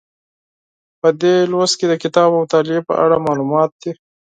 په دې لوست کې د کتاب او مطالعې په اړه معلومات دي.